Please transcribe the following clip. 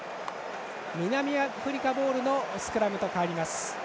南アフリカボールのスクラムと変わります。